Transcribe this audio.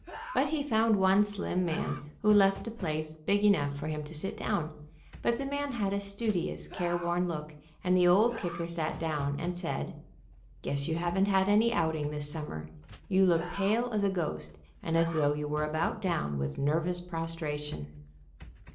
But he found one slim man who left a place big enough for him to sit down, but the man had a studious, careworn look, and the Old Kicker sat down and said : "Guess you haven't had any outing this summer; you look pale as a ghost, and as though you were about down with nervous prostration."